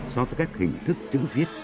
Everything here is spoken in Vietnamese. do các hình thức chữ viết